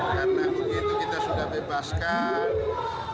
karena begitu kita sudah bebaskan